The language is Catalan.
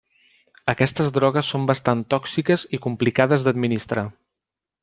Aquestes drogues són bastant tòxiques i complicades d'administrar.